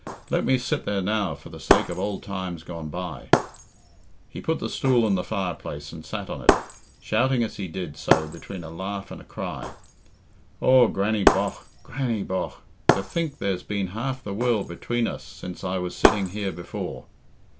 Let me sit there now for the sake of ould times gone by." He put the stool in the fireplace and sat on it, shouting as he did so between a laugh and a cry, "Aw, Grannie, bogh Grannie, bogh! to think there's been half the world between us since I was sitting here before!"